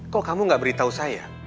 kok kamu gak beritahu saya